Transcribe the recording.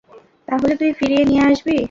তাহলে তুই ফিরিয়ে নিয়ে আসবি!